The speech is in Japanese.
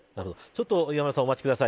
磐村さん、お持ちください。